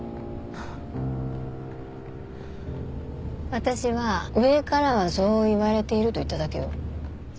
私は上からはそう言われていると言っただけよ。